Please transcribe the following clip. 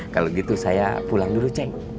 kalau gitu saya pulang dulu ceng